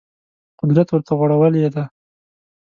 قدرت ورته غوړولې ده